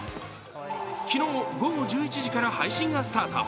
昨日、午後１１時から配信がスタート。